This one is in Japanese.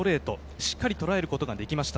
しっかりととらえることができました。